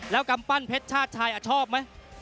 แล้วกำปั้นเพชรชาติชายชอบไหม